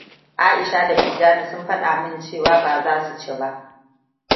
Tijjani da Aisha sun faɗa mun cewa baza su ci ba.